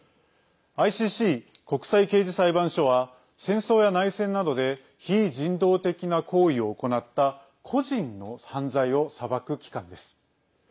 ＩＣＣ＝国際刑事裁判所は戦争や内戦などで非人道的な行為を行った個人の犯罪を裁く機関です。